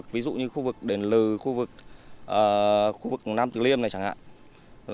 ví dụ như khu vực đền lừ khu vực nam tư liêm này chẳng hạn